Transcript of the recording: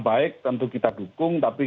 baik tentu kita dukung tapi